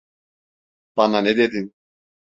Bana ne dedin?